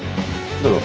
どうぞ。